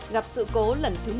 gặp sự cố lần thứ một mươi chín